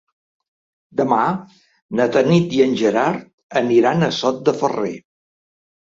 Demà na Tanit i en Gerard aniran a Sot de Ferrer.